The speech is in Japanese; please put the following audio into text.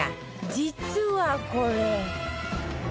実はこれ